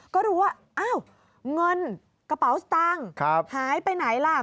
ก็รู้ว่าอ้าวเงินกระเป๋าสตางค์หายไปไหนล่ะ